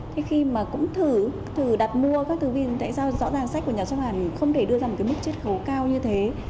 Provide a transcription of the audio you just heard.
thế khi mà cũng thử thử đặt mua các thứ viên tại sao rõ ràng sách của nhà xuất bản không thể đưa ra một cái mức chất khấu cao như thế